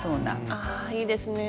あいいですね。